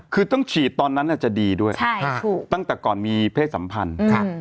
คือต้องฉีดตอนนั้นจะดีด้วยตั้งแต่ก่อนมีเพศสัมพันธ์ครับ